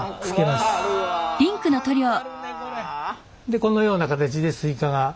でこのような形でスイカが。